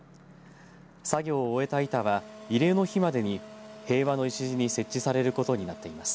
作業を終えた板は慰霊の日までに平和の礎に設置されることになっています。